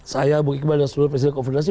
saya bu iqbal dan seluruh presiden konfederasi